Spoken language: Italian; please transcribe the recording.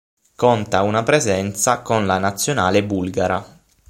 Conta una presenza con la Nazionale bulgara.